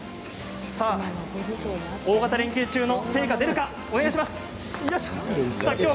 大型連休中の成果が出るかお願いします、よいしょ。